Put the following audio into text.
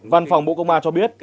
văn phòng bộ công an cho biết